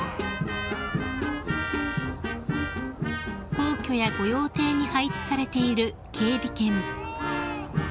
［皇居や御用邸に配置されている警備犬］